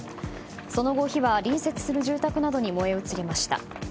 その後、火は隣接する住宅などに燃え移りました。